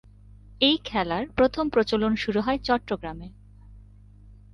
এই খেলার প্রথম প্রচলন শুরু চট্টগ্রামে।